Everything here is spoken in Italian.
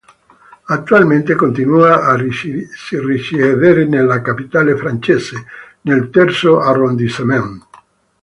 Attualmente continua a risiedere nella capitale francese, nel terzo arrondissement.